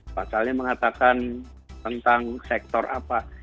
pasalnya mengatakan tentang sektor apa